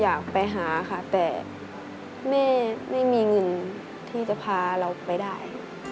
อยากไปหาค่ะแต่แม่ไม่มีเงินที่จะพาเราไปได้